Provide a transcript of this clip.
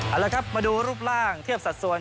เอาละครับมาดูรูปร่างเทียบสัดส่วน